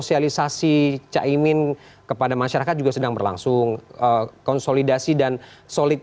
sudah dumb pra projected dan juga sudah mengin herself all over